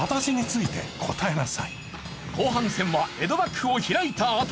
後半戦は江戸幕府を開いたあと。